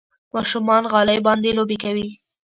ماشومان غالۍ باندې لوبې کوي.